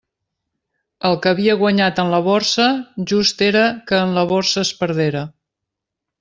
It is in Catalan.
El que havia guanyat en la Borsa just era que en la Borsa es perdera.